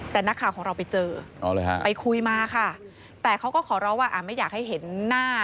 แต่นักข่าวของเราไปเจอไปคุยมาค่ะแต่เขาก็ขอร้องว่าไม่อยากให้เห็นหน้า